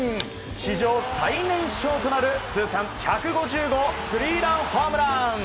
史上最年少となる通算１５０号スリーランホームラン！